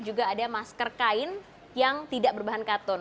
juga ada masker kain yang tidak berbahan katun